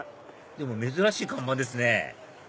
でも珍しい看板ですね